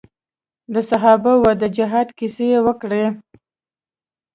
د صحابه وو د جهاد کيسې يې وکړې.